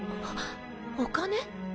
お金？